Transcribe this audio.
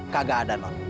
kagak ada non